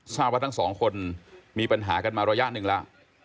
ทราบว่าทั้งสองคนมีปัญหากันมาระยะหนึ่งแล้ว